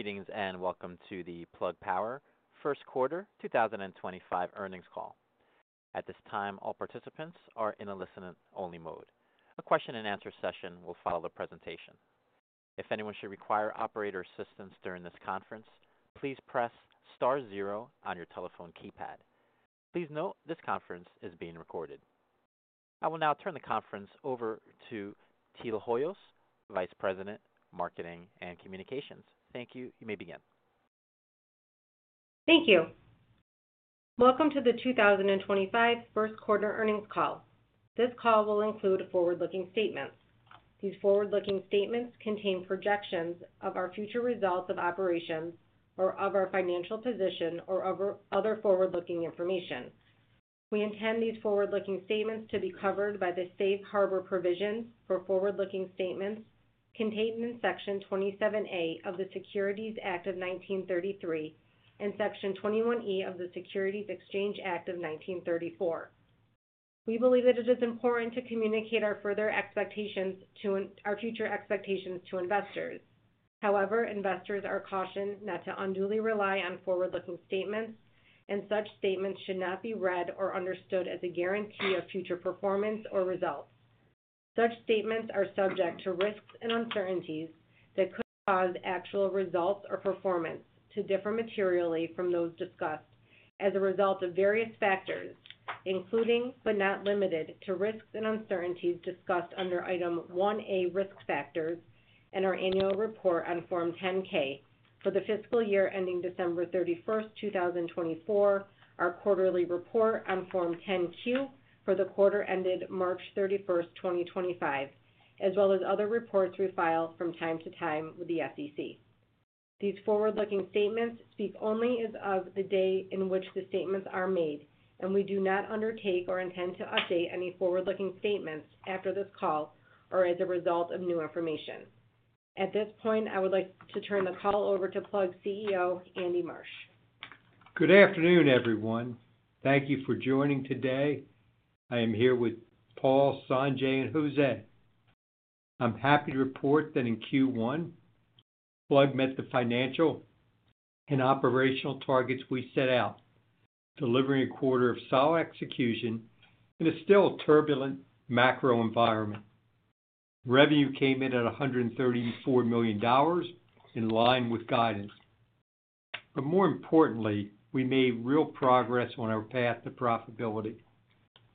Greetings and welcome to the Plug Power First Quarter 2025 earnings call. At this time, all participants are in a listen-only mode. A question-and-answer session will follow the presentation. If anyone should require operator assistance during this conference, please press star zero on your telephone keypad. Please note this conference is being recorded. I will now turn the conference over to Teal Hoyos, Vice President, Marketing and Communications. Thank you. You may begin. Thank you. Welcome to the 2025 First Quarter earnings call. This call will include forward-looking statements. These forward-looking statements contain projections of our future results of operations, or of our financial position, or other forward-looking information. We intend these forward-looking statements to be covered by the safe harbor provisions for forward-looking statements contained in Section 27A of the Securities Act of 1933 and Section 21E of the Securities Exchange Act of 1934. We believe that it is important to communicate our further expectations to our future expectations to investors. However, investors are cautioned not to unduly rely on forward-looking statements, and such statements should not be read or understood as a guarantee of future performance or results. Such statements are subject to risks and uncertainties that could cause actual results or performance to differ materially from those discussed as a result of various factors, including but not limited to risks and uncertainties discussed under item 1A risk factors in our annual report on Form 10-K for the fiscal year ending December 31st 2024, our quarterly report on Form 10-Q for the quarter ended March 31st 2025, as well as other reports we file from time to time with the SEC. These forward-looking statements speak only as of the day in which the statements are made, and we do not undertake or intend to update any forward-looking statements after this call or as a result of new information. At this point, I would like to turn the call over to Plug CEO, Andy Marsh. Good afternoon, everyone. Thank you for joining today. I am here with Paul, Sanjay, and Jose. I'm happy to report that in Q1, Plug met the financial and operational targets we set out, delivering a quarter of solid execution in a still turbulent macro environment. Revenue came in at $134 million, in line with guidance. More importantly, we made real progress on our path to profitability,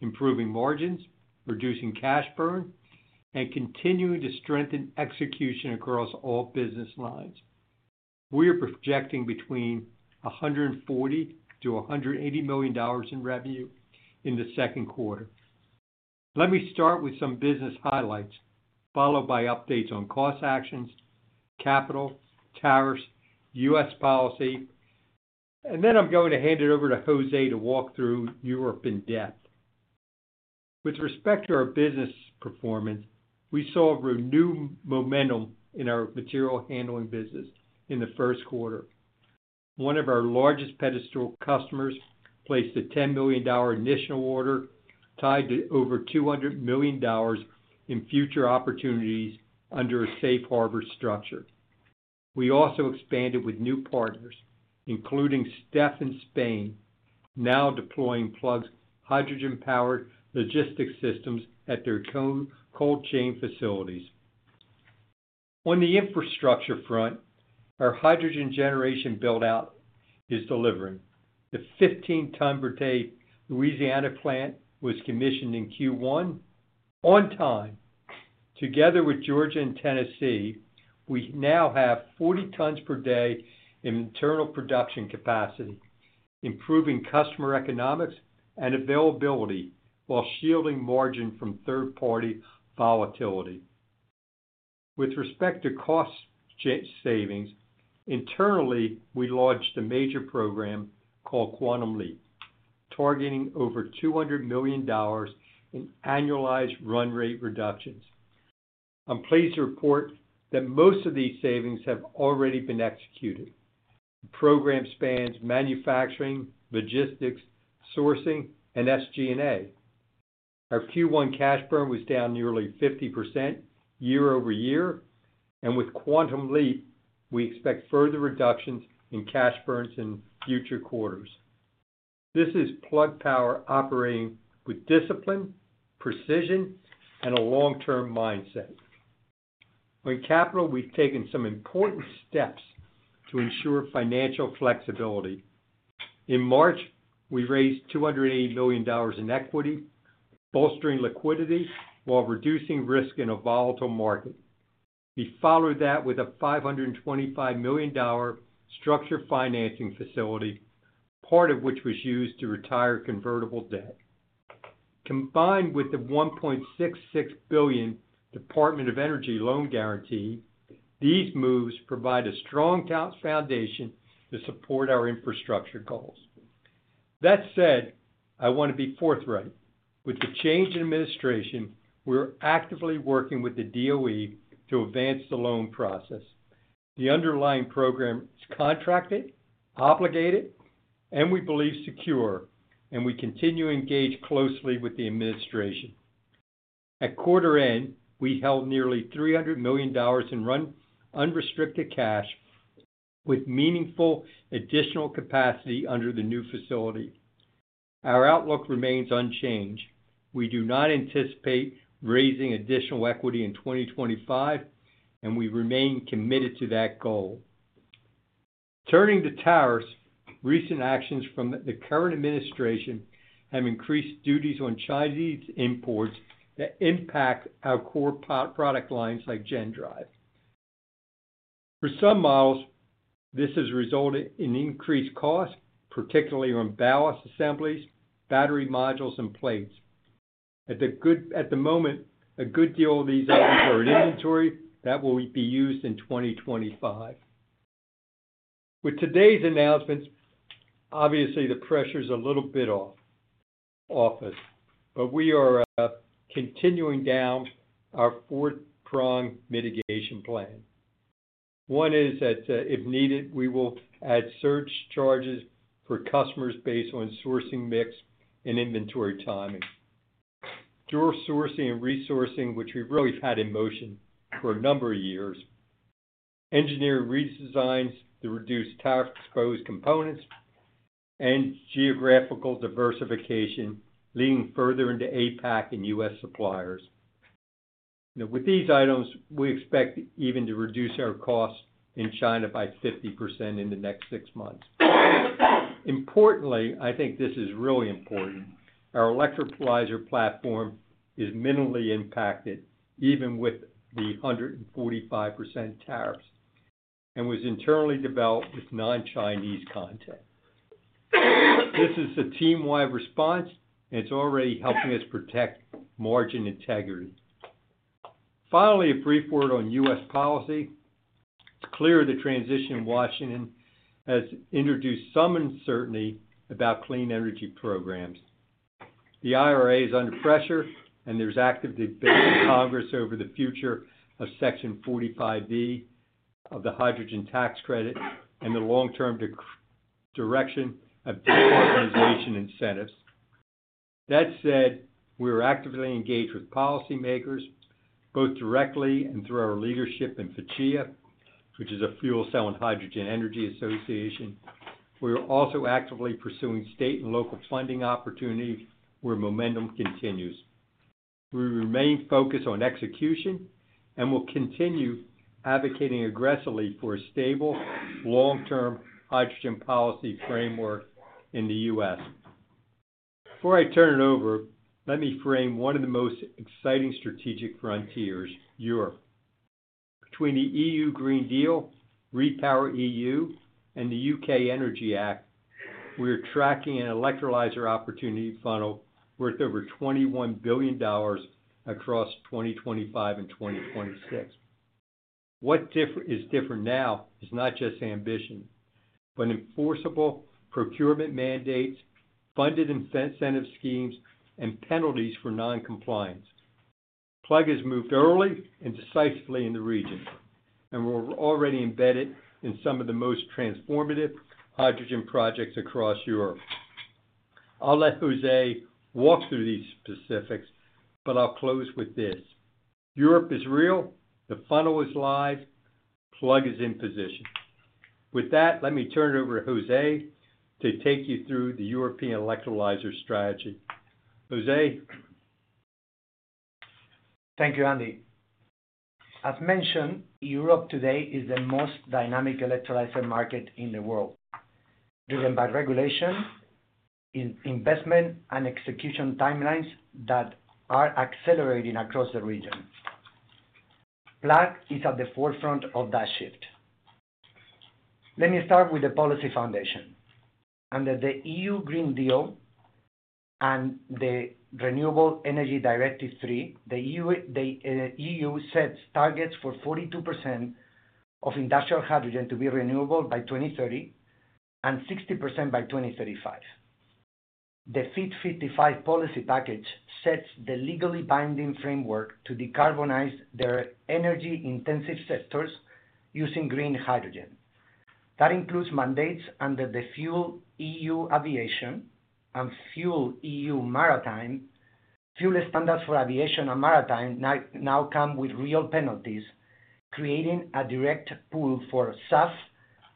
improving margins, reducing cash burn, and continuing to strengthen execution across all business lines. We are projecting between $140-$180 million in revenue in the second quarter. Let me start with some business highlights, followed by updates on cost actions, capital, tariffs, U.S. policy, and then I'm going to hand it over to Jose to walk through Europe in depth. With respect to our business performance, we saw renewed momentum in our material handling business in the first quarter. One of our largest pedestal customers placed a $10 million initial order tied to over $200 million in future opportunities under a Safe Harbor structure. We also expanded with new partners, including Stef in Spain, now deploying Plug's hydrogen-powered logistics systems at their cold chain facilities. On the infrastructure front, our hydrogen generation buildout is delivering. The 15-ton per day Louisiana plant was commissioned in Q1 on time. Together with Georgia and Tennessee, we now have 40 tons per day in internal production capacity, improving customer economics and availability while shielding margin from third-party volatility. With respect to cost savings, internally, we launched a major program called Quantum Leap, targeting over $200 million in annualized run rate reductions. I'm pleased to report that most of these savings have already been executed. The program spans manufacturing, logistics, sourcing, and SG&A. Our Q1 cash burn was down nearly 50% year over year, and with Quantum Leap, we expect further reductions in cash burns in future quarters. This is Plug Power operating with discipline, precision, and a long-term mindset. On capital, we've taken some important steps to ensure financial flexibility. In March, we raised $280 million in equity, bolstering liquidity while reducing risk in a volatile market. We followed that with a $525 million structured financing facility, part of which was used to retire convertible debt. Combined with the $1.66 billion Department of Energy loan guarantee, these moves provide a strong foundation to support our infrastructure goals. That said, I want to be forthright. With the change in administration, we're actively working with the DOE to advance the loan process. The underlying program is contracted, obligated, and we believe secure, and we continue to engage closely with the administration. At quarter end, we held nearly $300 million in unrestricted cash with meaningful additional capacity under the new facility. Our outlook remains unchanged. We do not anticipate raising additional equity in 2025, and we remain committed to that goal. Turning to tariffs, recent actions from the current administration have increased duties on Chinese imports that impact our core product lines like GenDrive. For some models, this has resulted in increased costs, particularly on ballast assemblies, battery modules, and plates. At the moment, a good deal of these items are in inventory that will be used in 2025. With today's announcements, obviously, the pressure is a little bit off, but we are continuing down our four-prong mitigation plan. One is that if needed, we will add surge charges for customers based on sourcing mix and inventory timing, door sourcing and resourcing, which we've really had in motion for a number of years, engineering redesigns to reduce tariff-exposed components, and geographical diversification leading further into APAC and U.S. suppliers. With these items, we expect even to reduce our costs in China by 50% in the next six months. Importantly, I think this is really important. Our electrolyzer platform is minimally impacted, even with the 145% tariffs, and was internally developed with non-Chinese content. This is a team-wide response, and it's already helping us protect margin integrity. Finally, a brief word on U.S. policy. It's clear the transition in Washington has introduced some uncertainty about clean energy programs. The IRA is under pressure, and there is active debate in Congress over the future of Section 45D of the hydrogen tax credit and the long-term direction of de-carbonization incentives. That said, we are actively engaged with policymakers, both directly and through our leadership in FCHEA, which is a fuel-cell and hydrogen energy association. We are also actively pursuing state and local funding opportunities where momentum continues. We remain focused on execution and will continue advocating aggressively for a stable, long-term hydrogen policy framework in the U.S. Before I turn it over, let me frame one of the most exciting strategic frontiers, Europe. Between the EU Green Deal, RePowerEU, and the UK Energy Act, we are tracking an electrolyzer opportunity funnel worth over $21 billion across 2025 and 2026. What is different now is not just ambition, but enforceable procurement mandates, funded incentive schemes, and penalties for non-compliance. Plug has moved early and decisively in the region, and we're already embedded in some of the most transformative hydrogen projects across Europe. I'll let Jose walk through these specifics, but I'll close with this: Europe is real, the funnel is live, Plug is in position. With that, let me turn it over to Jose to take you through the European electrolyzer strategy. Jose. Thank you, Andy. As mentioned, Europe today is the most dynamic electrolyzer market in the world, driven by regulation, investment, and execution timelines that are accelerating across the region. Plug is at the forefront of that shift. Let me start with the policy foundation. Under the EU Green Deal and the Renewable Energy Directive 3, the EU sets targets for 42% of industrial hydrogen to be renewable by 2030 and 60% by 2035. The FIT55 policy package sets the legally binding framework to decarbonize their energy-intensive sectors using green hydrogen. That includes mandates under the Fuel EU Aviation and Fuel EU Maritime Fuel. Standards for aviation and maritime now come with real penalties, creating a direct pool for SAF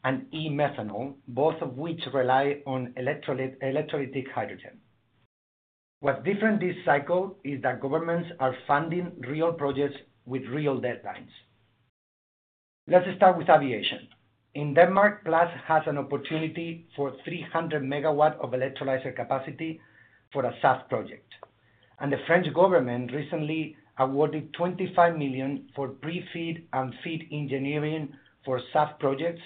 and e-methanol, both of which rely on electrolytic hydrogen. What's different this cycle is that governments are funding real projects with real deadlines. Let's start with aviation. In Denmark, Plug has an opportunity for 300 MW of electrolyzer capacity for a SAF project. The French government recently awarded $25 million for pre-feed and feed engineering for SAF projects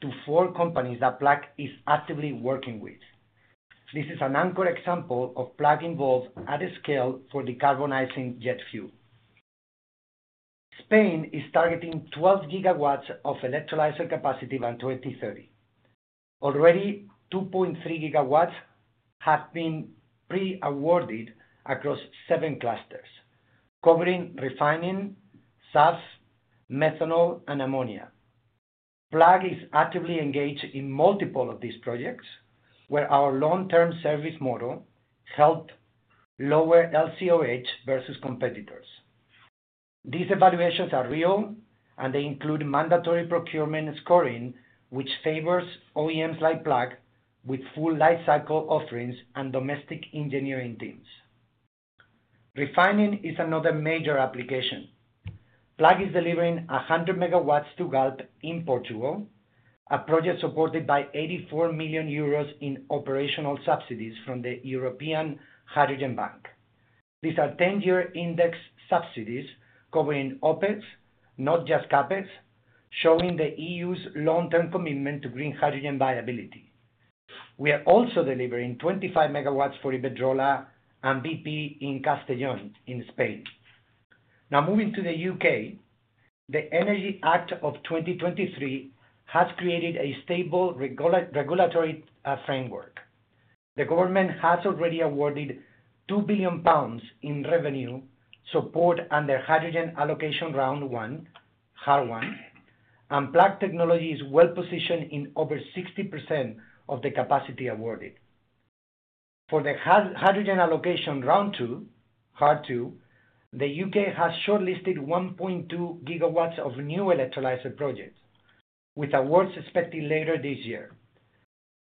to four companies that Plug is actively working with. This is an anchor example of Plug involved at a scale for decarbonizing jet fuel. Spain is targeting 12 GW of electrolyzer capacity by 2030. Already, 2.3 GW have been pre-awarded across seven clusters, covering refining, SAF, methanol, and ammonia. Plug is actively engaged in multiple of these projects, where our long-term service model helped lower LCOH versus competitors. These evaluations are real, and they include mandatory procurement scoring, which favors OEMs like Plug with full lifecycle offerings and domestic engineering teams. Refining is another major application. Plug is delivering 100 MW to GALP in Portugal, a project supported by 84 million euros in operational subsidies from the European Hydrogen Bank. These are 10-year index subsidies covering OpEx, not just CapEx, showing the EU's long-term commitment to green hydrogen viability. We are also delivering 25 MW for Iberdrola and BP in Castellón in Spain. Now, moving to the U.K., the Energy Act of 2023 has created a stable regulatory framework. The government has already awarded 2 billion pounds in revenue support under Hydrogen Allocation Round One, HAR One, and Plug Technology is well positioned in over 60% of the capacity awarded. For the Hydrogen Allocation Round Two, HAR Two, the U.K. has shortlisted 1.2 GW of new electrolyzer projects, with awards expected later this year.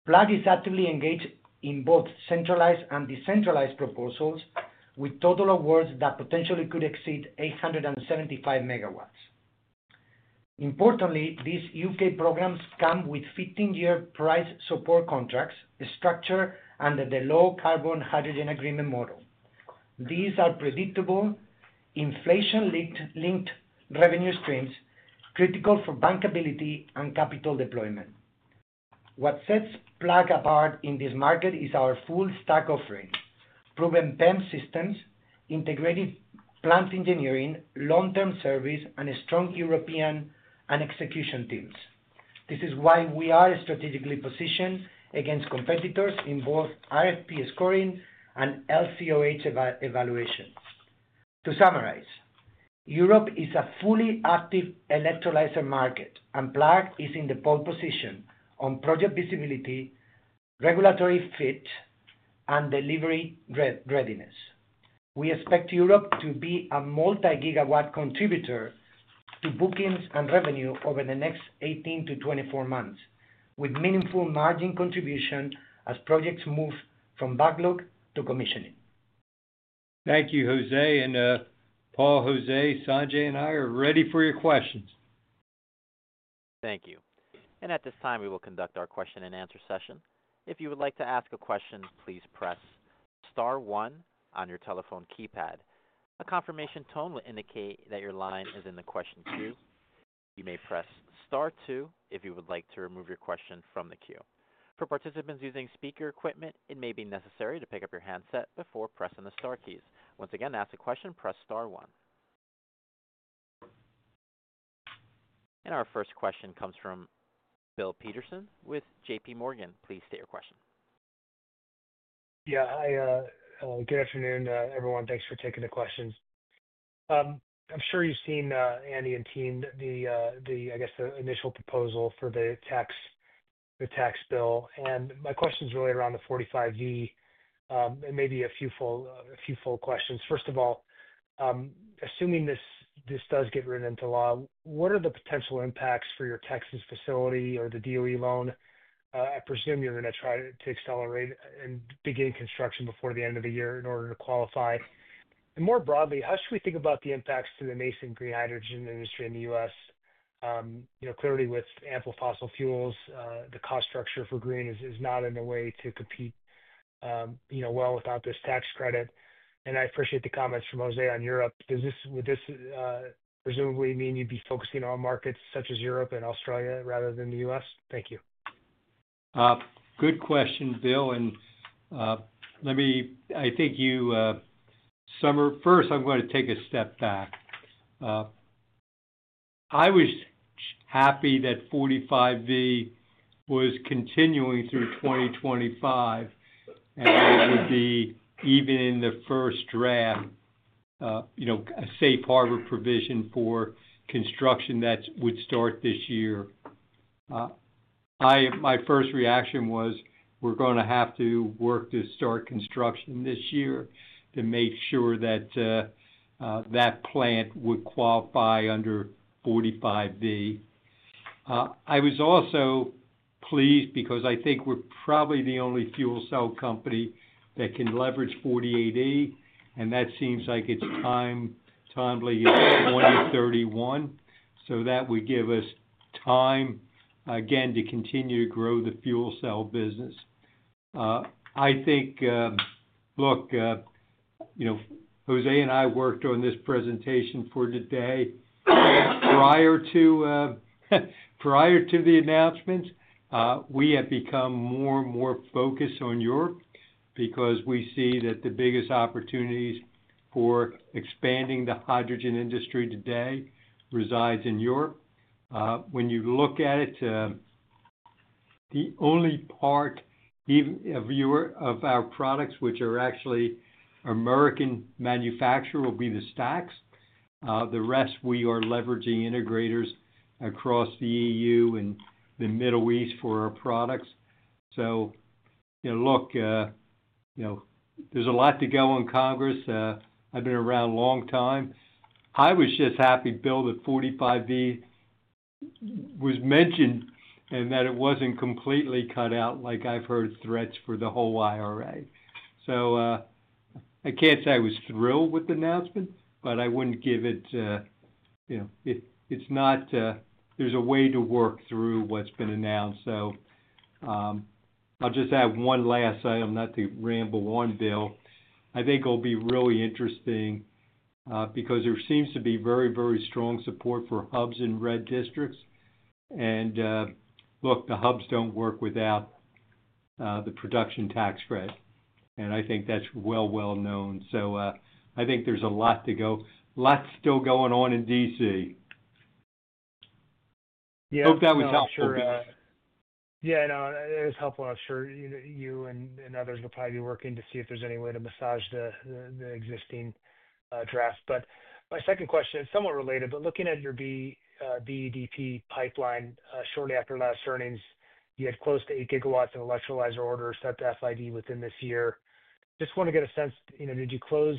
Plug is actively engaged in both centralized and decentralized proposals, with total awards that potentially could exceed 875 MW. Importantly, these U.K. programs come with 15-year price support contracts structured under the low carbon hydrogen agreement model. These are predictable, inflation-linked revenue streams critical for bankability and capital deployment. What sets Plug apart in this market is our full-stack offering, proven PEM systems, integrated plant engineering, long-term service, and strong European and execution teams. This is why we are strategically positioned against competitors in both RFP scoring and LCOH evaluations. To summarize, Europe is a fully active electrolyzer market, and Plug is in the pole position on project visibility, regulatory fit, and delivery readiness. We expect Europe to be a multi-gigawatt contributor to bookings and revenue over the next 18-24 months, with meaningful margin contribution as projects move from backlog to commissioning. Thank you, Jose and Paul. Jose, Sanjay, and I are ready for your questions. Thank you. At this time, we will conduct our question-and-answer session. If you would like to ask a question, please press Star one on your telephone keypad. A confirmation tone will indicate that your line is in the question queue. You may press Star two if you would like to remove your question from the queue. For participants using speaker equipment, it may be necessary to pick up your handset before pressing the Star keys. Once again, to ask a question, press Star one. Our first question comes from Bill Peterson with JPMorgan. Please state your question. Yeah. Hi. Good afternoon, everyone. Thanks for taking the questions. I'm sure you've seen Andy and Teal, the, I guess, the initial proposal for the tax bill. My question's really around the 45V and maybe a few full questions. First of all, assuming this does get written into law, what are the potential impacts for your Texas facility or the DOE loan? I presume you're going to try to accelerate and begin construction before the end of the year in order to qualify. More broadly, how should we think about the impacts to the nascent green hydrogen industry in the U.S.? Clearly, with ample fossil fuels, the cost structure for green is not in a way to compete well without this tax credit. I appreciate the comments from Jose on Europe. Does this presumably mean you'd be focusing on markets such as Europe and Australia rather than the U.S.? Thank you. Good question, Bill. I think you summarized. First, I'm going to take a step back. I was happy that 45D was continuing through 2025, and it would be, even in the first draft, a safe harbor provision for construction that would start this year. My first reaction was we're going to have to work to start construction this year to make sure that that plant would qualify under 45D. I was also pleased because I think we're probably the only fuel cell company that can leverage 48E, and that seems like it's timely at 2031. That would give us time, again, to continue to grow the fuel cell business. I think, look, Jose and I worked on this presentation for the day. Prior to the announcements, we have become more and more focused on Europe because we see that the biggest opportunities for expanding the hydrogen industry today reside in Europe. When you look at it, the only part of our products which are actually American manufactured will be the stacks. The rest, we are leveraging integrators across the EU and the Middle East for our products. Look, there is a lot to go on Congress. I have been around a long time. I was just happy, Bill, that 45D was mentioned and that it was not completely cut out like I have heard threats for the whole IRA. I cannot say I was thrilled with the announcement, but I would not give it—it is not—there is a way to work through what has been announced. I will just add one last item not to ramble on, Bill. I think it'll be really interesting because there seems to be very, very strong support for hubs in red districts. Look, the hubs do not work without the production tax credit. I think that is well, well known. I think there is a lot to go. Lots still going on in D.C. I hope that was helpful. Yeah. No, it was helpful. I'm sure you and others will probably be working to see if there's any way to massage the existing draft. My second question is somewhat related. Looking at your BEDP pipeline, shortly after last earnings, you had close to 8 GW of electrolyzer orders set to FID within this year. Just want to get a sense, did you close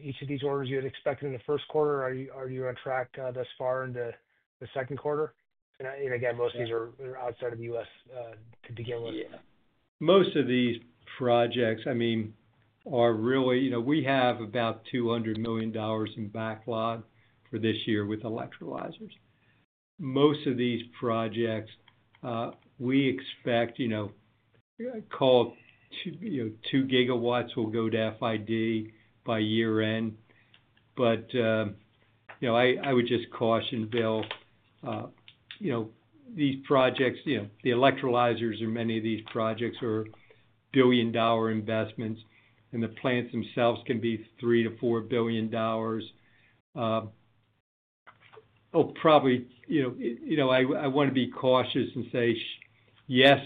each of these orders you had expected in the first quarter? Are you on track thus far into the second quarter? Again, most of these are outside of the U.S. to begin with. Yeah. Most of these projects, I mean, are really—we have about $200 million in backlog for this year with electrolyzers. Most of these projects, we expect—call 2 GW will go to FID by year-end. I would just caution, Bill. These projects, the electrolyzers in many of these projects are billion-dollar investments, and the plants themselves can be $3 billion-$4 billion. Oh, probably I want to be cautious and say, yes,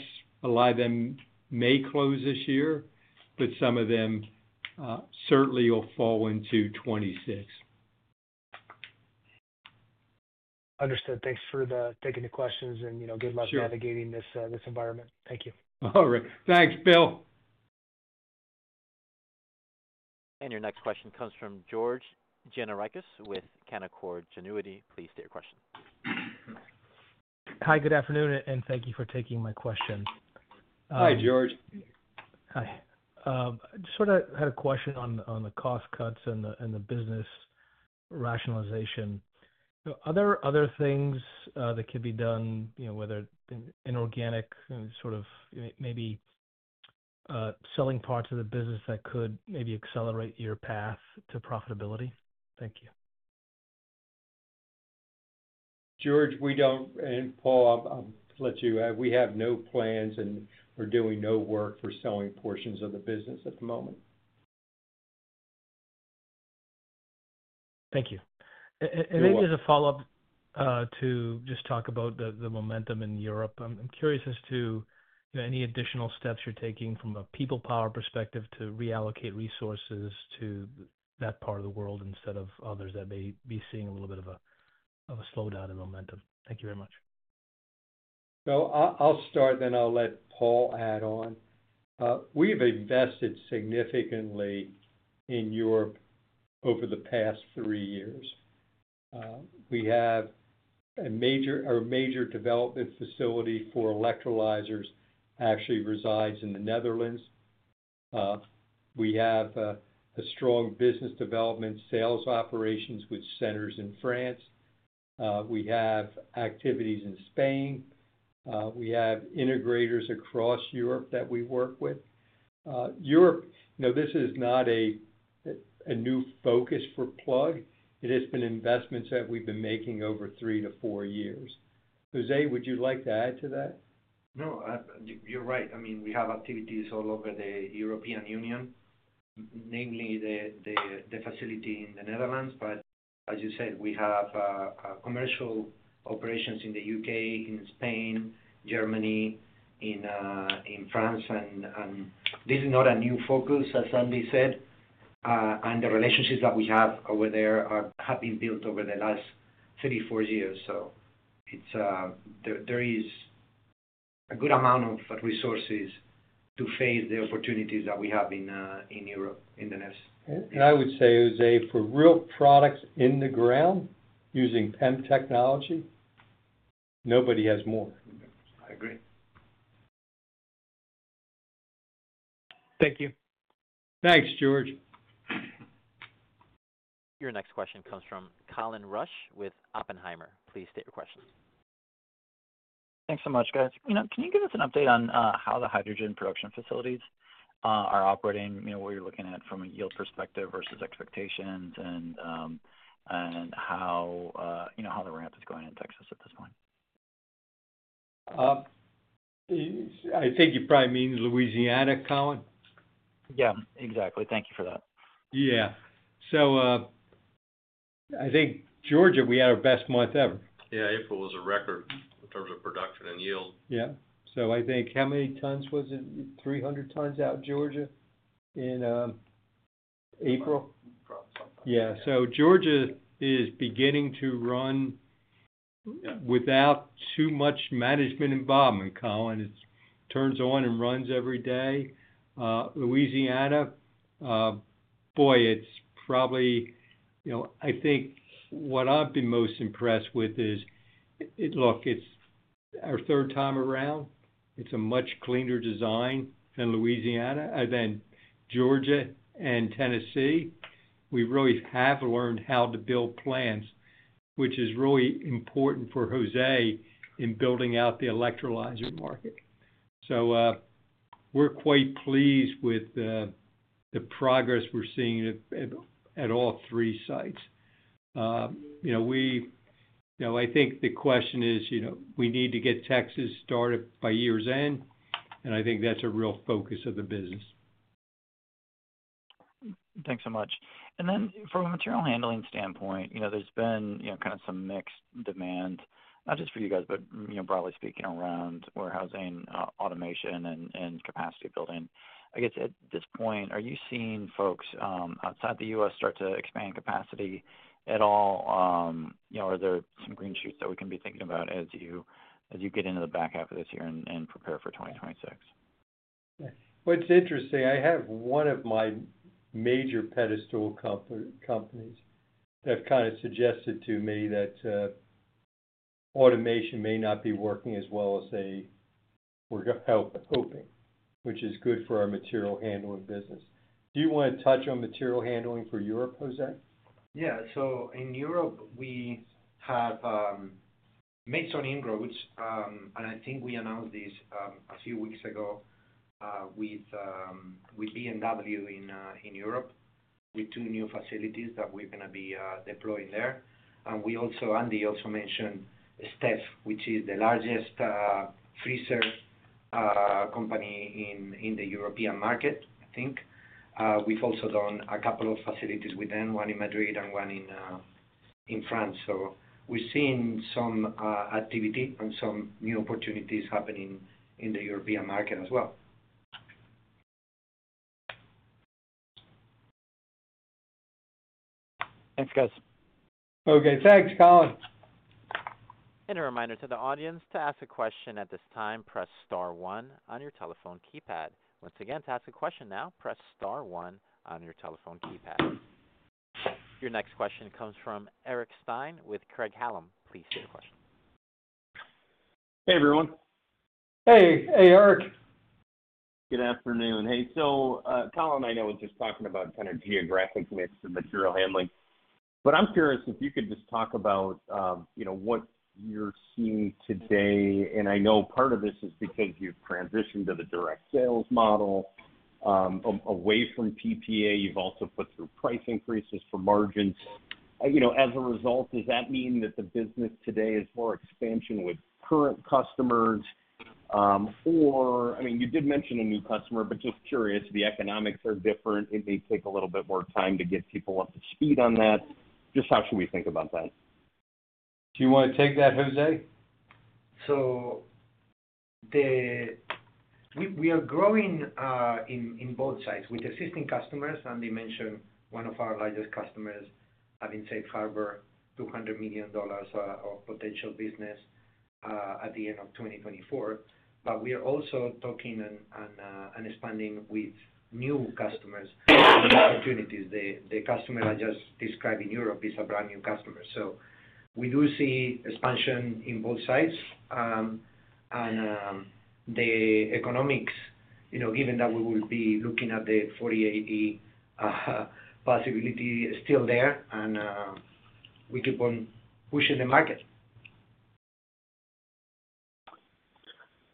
a lot of them may close this year, but some of them certainly will fall into 2026. Understood. Thanks for taking the questions and good luck navigating this environment. Thank you. All right. Thanks, Bill. Your next question comes from George Gianarikas with Canaccord Genuity. Please state your question. Hi, good afternoon, and thank you for taking my question. Hi, George. Hi. Just sort of had a question on the cost cuts and the business rationalization. Are there other things that could be done, whether inorganic, sort of maybe selling parts of the business that could maybe accelerate your path to profitability? Thank you. George, we don't, and Paul, I'll let you add. We have no plans, and we're doing no work for selling portions of the business at the moment. Thank you. Maybe as a follow-up to just talk about the momentum in Europe, I'm curious as to any additional steps you're taking from a Plug Power perspective to reallocate resources to that part of the world instead of others that may be seeing a little bit of a slowdown in momentum. Thank you very much. I'll start, then I'll let Paul add on. We've invested significantly in Europe over the past three years. We have a major development facility for electrolyzers that actually resides in the Netherlands. We have a strong business development sales operations with centers in France. We have activities in Spain. We have integrators across Europe that we work with. Europe, this is not a new focus for Plug. It has been investments that we've been making over three to four years. Jose, would you like to add to that? No, you're right. I mean, we have activities all over the European Union, namely the facility in the Netherlands. As you said, we have commercial operations in the U.K., in Spain, Germany, in France. This is not a new focus, as Andy said. The relationships that we have over there have been built over the last three, four years. There is a good amount of resources to face the opportunities that we have in Europe in the next. I would say, Jose, for real products in the ground using PEM technology, nobody has more. I agree. Thank you. Thanks, George. Your next question comes from Colin Rusch with Oppenheimer. Please state your question. Thanks so much, guys. Can you give us an update on how the hydrogen production facilities are operating, what you're looking at from a yield perspective versus expectations, and how the ramp is going in Texas at this point? I think you probably mean Louisiana, Colin. Yeah, exactly. Thank you for that. Yeah. I think Georgia, we had our best month ever. Yeah. April was a record in terms of production and yield. Yeah. I think how many tons was it? 300 tons out in Georgia in April? Probably something like that. Yeah. Georgia is beginning to run without too much management involvement, Colin. It turns on and runs every day. Louisiana, boy, I think what I have been most impressed with is, look, it is our third time around. It is a much cleaner design than Louisiana. And then Georgia and Tennessee, we really have learned how to build plants, which is really important for José in building out the electrolyzer market. We are quite pleased with the progress we are seeing at all three sites. I think the question is we need to get Texas started by year's end, and I think that is a real focus of the business. Thanks so much. From a material handling standpoint, there's been kind of some mixed demand, not just for you guys, but broadly speaking, around warehousing, automation, and capacity building. I guess at this point, are you seeing folks outside the U.S. start to expand capacity at all? Are there some green shoots that we can be thinking about as you get into the back half of this year and prepare for 2026? What's interesting, I have one of my major pedestal companies that have kind of suggested to me that automation may not be working as well as they were hoping, which is good for our material handling business. Do you want to touch on material handling for Europe, Jose?? Yeah. In Europe, we have made some inroads, and I think we announced this a few weeks ago with BMW in Europe with two new facilities that we're going to be deploying there. Andy also mentioned Stef, which is the largest freezer company in the European market, I think. We've also done a couple of facilities with them, one in Madrid and one in France. We are seeing some activity and some new opportunities happening in the European market as well. Thanks, guys. Okay. Thanks, Colin. A reminder to the audience to ask a question at this time, press star one on your telephone keypad. Once again, to ask a question now, press star one on your telephone keypad. Your next question comes from Eric Stine with Craig-Hallum. Please state your question. Hey, everyone. Hey. Hey, Eric. Good afternoon. Hey, so Colin, I know we're just talking about kind of geographic mix and material handling. But I'm curious if you could just talk about what you're seeing today. And I know part of this is because you've transitioned to the direct sales model away from PPA. You've also put through price increases for margins. As a result, does that mean that the business today is more expansion with current customers? Or I mean, you did mention a new customer, but just curious, the economics are different. It may take a little bit more time to get people up to speed on that. Just how should we think about that? Do you want to take that, Jose? We are growing in both sides with existing customers. They mentioned one of our largest customers having Safe Harbor, $200 million of potential business at the end of 2024. We are also talking and expanding with new customers and opportunities. The customer I just described in Europe is a brand new customer. We do see expansion in both sides. The economics, given that we will be looking at the 48E possibility, are still there, and we keep on pushing the market.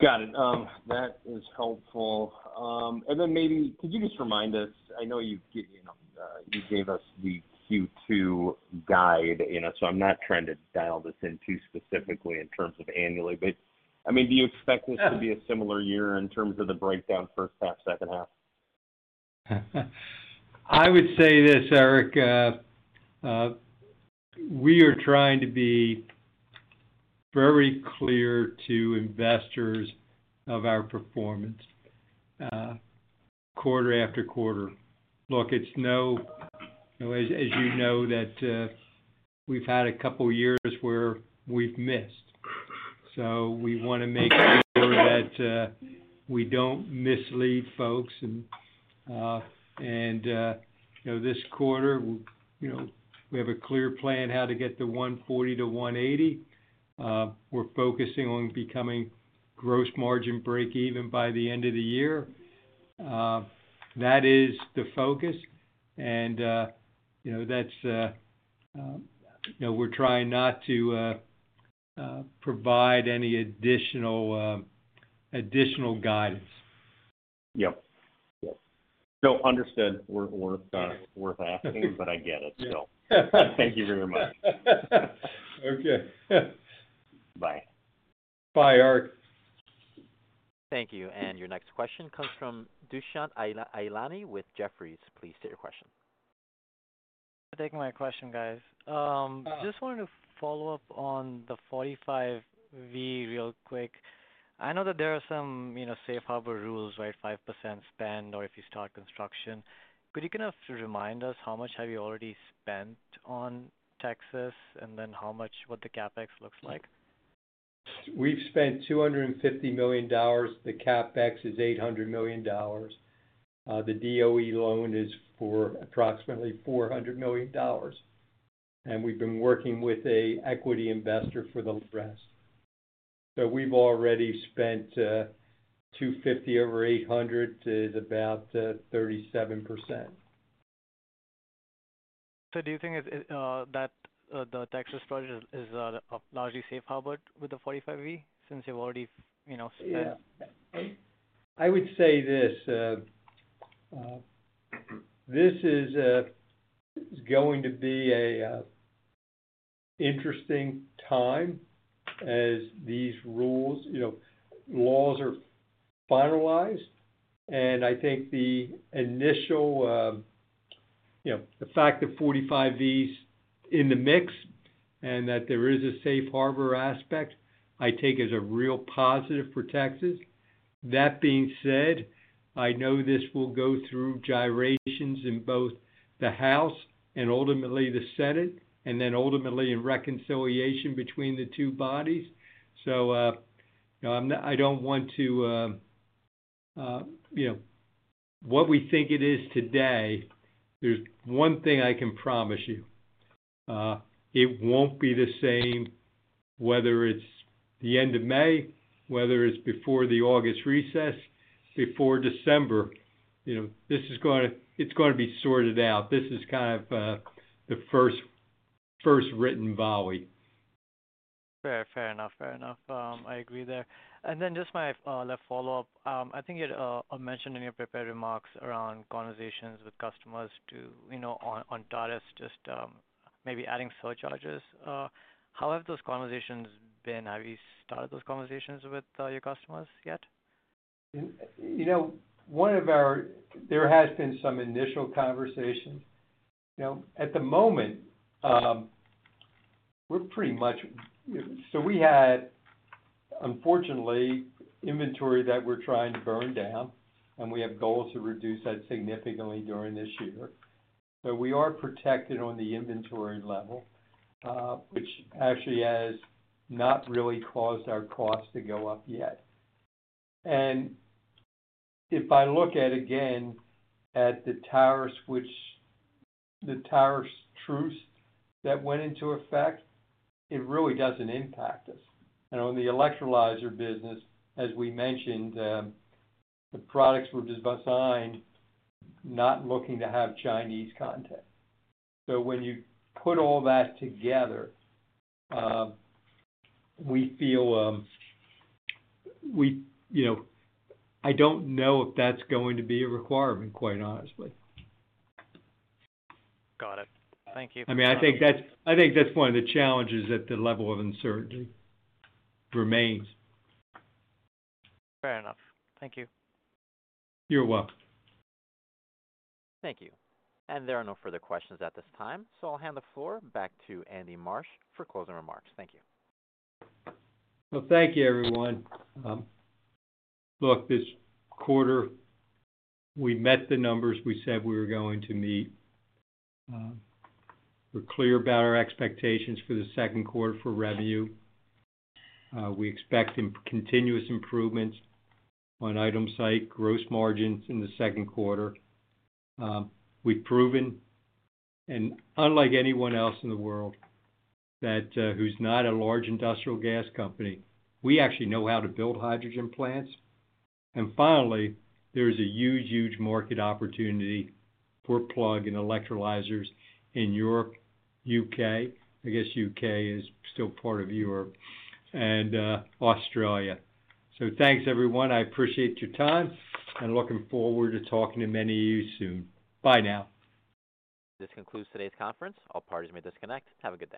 Got it. That is helpful. Maybe could you just remind us? I know you gave us the Q2 guide, so I'm not trying to dial this in too specifically in terms of annually. I mean, do you expect this to be a similar year in terms of the breakdown, first half, second half? I would say this, Eric. We are trying to be very clear to investors of our performance quarter after quarter. Look, as you know, we've had a couple of years where we've missed. We want to make sure that we don't mislead folks. This quarter, we have a clear plan how to get the $140-$180. We're focusing on becoming gross margin break-even by the end of the year. That is the focus. That's why we're trying not to provide any additional guidance. Yep. Yep. No, understood. Worth asking, but I get it, so thank you very much. Okay. Bye. Bye, Eric. Thank you. Your next question comes from Dushyant Ailani with Jefferies. Please state your question. Thank you for taking my question, guys. Just wanted to follow up on the 45V real quick. I know that there are some safe harbor rules, right? 5% spend or if you start construction. Could you kind of remind us how much have you already spent on Texas and then what the CapEx looks like? We've spent $250 million. The CapEx is $800 million. The DOE loan is for approximately $400 million. We've been working with an equity investor for the rest. We've already spent 250 over 800 is about 37%. Do you think that the Texas project is largely safe harbored with the 45V since you've already spent? Yeah. I would say this is going to be an interesting time as these rules, laws are finalized. I think the initial, the fact that 45V is in the mix and that there is a Safe Harbor aspect, I take as a real positive for Texas. That being said, I know this will go through gyrations in both the House and ultimately the Senate, and then ultimately in reconciliation between the two bodies. I do not want to, what we think it is today, there is one thing I can promise you. It will not be the same whether it is the end of May, whether it is before the August recess, before December. This is going to be sorted out. This is kind of the first written volley. Fair enough. Fair enough. I agree there. Just my last follow-up. I think you mentioned in your prepared remarks around conversations with customers on tariffs, just maybe adding surcharges. How have those conversations been? Have you started those conversations with your customers yet? One of our, there has been some initial conversations. At the moment, we're pretty much, so we had, unfortunately, inventory that we're trying to burn down, and we have goals to reduce that significantly during this year. We are protected on the inventory level, which actually has not really caused our costs to go up yet. If I look again at the tariffs, which the tariffs truce that went into effect, it really doesn't impact us. On the electrolyzer business, as we mentioned, the products were designed not looking to have Chinese content. When you put all that together, we feel I don't know if that's going to be a requirement, quite honestly. Got it. Thank you. I mean, I think that's one of the challenges that the level of uncertainty remains. Fair enough. Thank you. You're welcome. Thank you. There are no further questions at this time. I'll hand the floor back to Andy Marsh for closing remarks. Thank you. Thank you, everyone. Look, this quarter, we met the numbers we said we were going to meet. We are clear about our expectations for the second quarter for revenue. We expect continuous improvements on item site, gross margins in the second quarter. We have proven, and unlike anyone else in the world who is not a large industrial gas company, we actually know how to build hydrogen plants. Finally, there is a huge, huge market opportunity for Plug and electrolyzers in Europe, U.K.—I guess U.K. is still part of Europe—and Australia. Thanks, everyone. I appreciate your time, and looking forward to talking to many of you soon. Bye now. This concludes today's conference. All parties may disconnect. Have a good day.